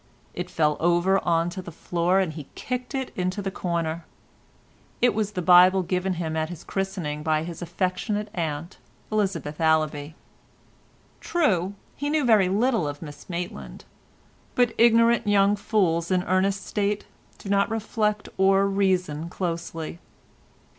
It fell over on to the floor, and he kicked it into a corner. It was the Bible given him at his christening by his affectionate aunt, Elizabeth Allaby. True, he knew very little of Miss Maitland, but ignorant young fools in Ernest's state do not reflect or reason closely.